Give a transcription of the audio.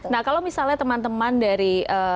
nah kalau misalnya teman teman dari